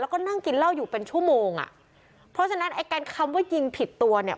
แล้วก็นั่งกินเหล้าอยู่เป็นชั่วโมงอ่ะเพราะฉะนั้นไอ้การคำว่ายิงผิดตัวเนี่ย